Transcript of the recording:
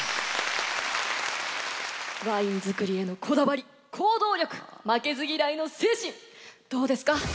ワインづくりへのこだわり行動力負けず嫌いの精神どうですか？